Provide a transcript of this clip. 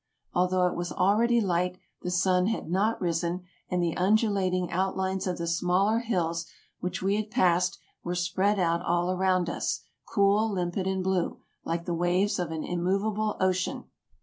Although it was already light, the sun had not risen, and the undulating out lines of the smaller hills which we had passed were spread out all around us, cool, limpid, and blue, like the waves of an immovable ocean.